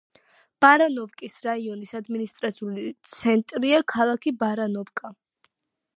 ბარანოვკის რაიონის ადმინისტრაციული ცენტრია ქალაქი ბარანოვკა.